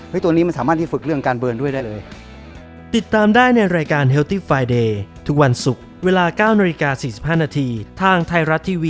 ตัวนี้มันสามารถที่ฝึกเรื่องการเบิร์นด้วยได้เลย